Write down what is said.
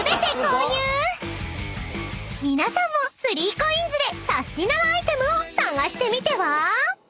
［皆さんも３ＣＯＩＮＳでサスティななアイテムを探してみては？］